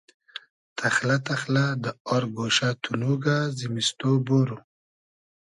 تئخلۂ تئخلۂ دۂ آر گۉشۂ تونوگۂ زیمیستۉ بورو